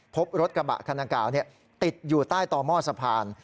พบรถกระบะคันดังกล่าวติดอยู่ใต้ต่อหม้อสะพาน